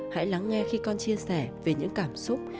hãy lắng nghe khi con chia sẻ về những cảm xúc